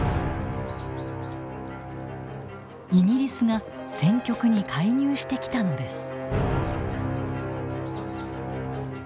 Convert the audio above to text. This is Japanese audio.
イギリスが戦局に介入してきたのです。